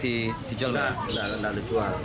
tidak tidak dijual